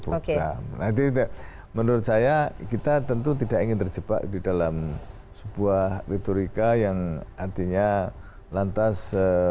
program nanti menurut saya kita tentu tidak ingin terjebak di dalam sebuah retorika yang artinya lantas